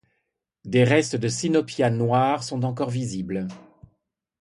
Des restes de sinopia noire sont encore visibles.